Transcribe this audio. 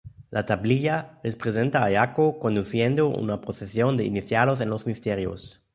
La tablilla representa a Yaco conduciendo una procesión de iniciados en los misterios.